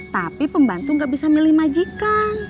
tapi pembantu gak bisa milih majikan